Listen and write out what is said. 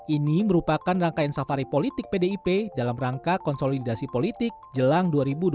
ini merupakan rangkaian safari politik pdip dalam rangka konsolidasi politik jelang dua ribu dua puluh